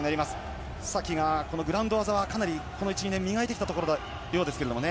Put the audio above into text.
須崎は寝技をかなりこの１２年磨いてきたところですね。